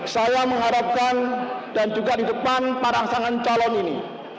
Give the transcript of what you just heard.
saya mengharapkan dan juga di depan parangsangan calon ini